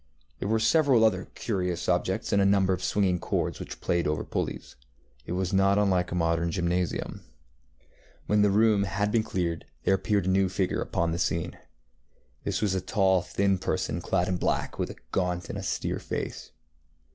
There were several other curious objects, and a number of swinging cords which played over pulleys. It was not unlike a modern gymnasium. When the room had been cleared there appeared a new figure upon the scene. This was a tall thin person clad in black, with a gaunt and austere face.